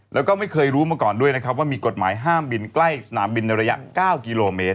แล้วก็ไม่เคยรู้มาก่อนด้วยนะครับว่ามีกฎหมายห้ามบินใกล้สนามบินในระยะ๙กิโลเมตร